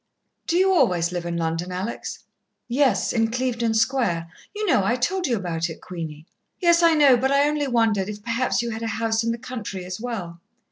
"Do you always live in London, Alex?" "Yes, in Clevedon Square. You know, I told you about it, Queenie." "Yes, I know, but I only wondered if perhaps you had a house in the country as well."